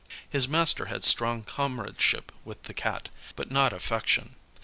His master had strong comradeship with the Cat, but not affection.